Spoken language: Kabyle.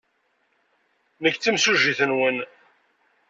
Nekk d timsujjit-nwen.